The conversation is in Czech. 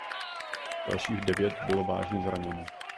Dalších devět bylo vážně zraněno.